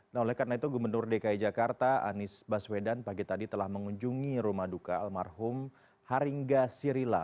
nah oleh karena itu gubernur dki jakarta anies baswedan pagi tadi telah mengunjungi rumah duka almarhum haringa sirila